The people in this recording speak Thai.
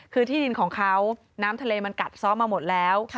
คือที่ดินของเขาน้ำทะเลมันกัดซ้อมมาหมดแล้ว